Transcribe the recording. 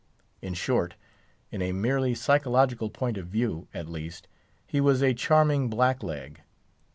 In short—in a merely psychological point of view, at least—he was a charming blackleg.